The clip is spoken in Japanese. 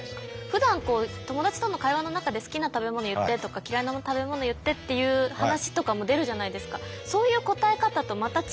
ふだん友達との会話の中で「好きな食べ物言って」とか「嫌いな食べ物言って」っていう話とかも出るじゃないですか。